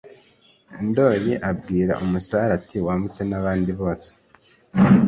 ndoli abwira umusare ati: “wambutse abandi bose